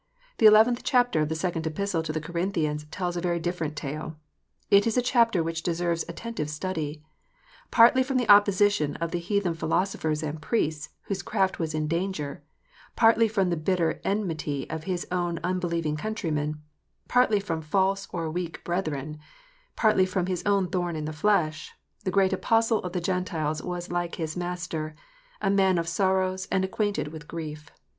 The eleventh chapter of the second Epistle to the Corinthians tells a very different tale. It is a chapter which deserves attentive study. Partly from the opposition of the heathen philosophers and priests, whose craft was in danger, partly from the bitter enmity of his own un believing countrymen, partly from false or weak brethren, partly from his own thorn in the flesh, the great Apostle of the Gentiles was like his Master, "a man of sorrows and acquainted with grief."